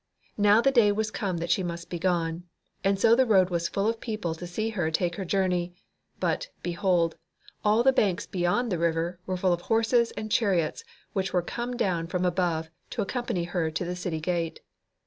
Now the day was come that she must be gone. And so the road was full of people to see her take her journey. But, behold, all the banks beyond the river were full of horses and chariots which were come down from above to accompany her to the city gate.